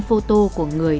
photo của người